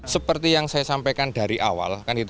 seperti yang saya sampaikan dari awal